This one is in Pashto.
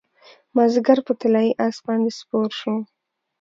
مازدیګر په طلايي اس باندې سپور شو